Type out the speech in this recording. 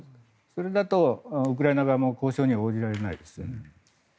それだとウクライナ側も交渉には応じられないですね。